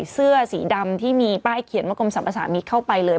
เสื้อสีดำที่มีป้ายเขียนว่ากรมสรรพสามิตรเข้าไปเลย